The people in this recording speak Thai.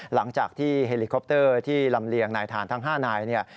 หลังจากที่เฮลิคอปเตอร์ที่ลำเลียงนายฐานทั้ง๕นายเนี่ย